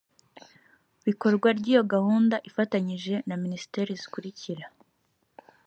bikorwa ry iyo gahunda ifatanyije na minisiteri zikurikira